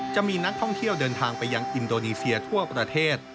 จะมีนักท่องเที่ยวเดินทางไปยังอินโดนีเซียทั่วประเทศ